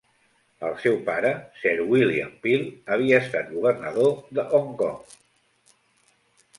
El seu pare, Sir William Peel, havia estat governador de Hong Kong.